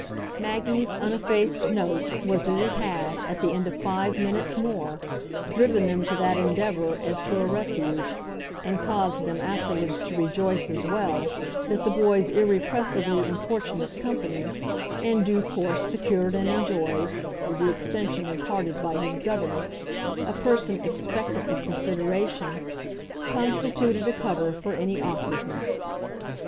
Maggie's uneffaced note was that it had, at the end of five minutes more, driven them to that endeavour as to a refuge, and caused them afterwards to rejoice, as well, that the boy's irrepressibly importunate company, in due course secured and enjoyed, with the extension imparted by his governess, a person expectant of consideration, constituted a cover for any awkwardness.